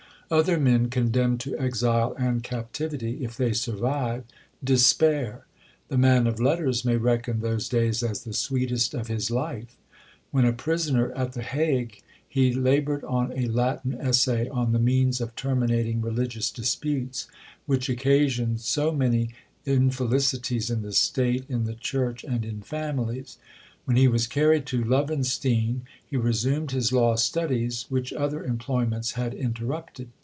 Other men, condemned to exile and captivity, if they survive, despair; the man of letters may reckon those days as the sweetest of his life. When a prisoner at the Hague, he laboured on a Latin essay on the means of terminating religious disputes, which occasion so many infelicities in the state, in the church, and in families; when he was carried to Louvenstein, he resumed his law studies, which other employments had interrupted.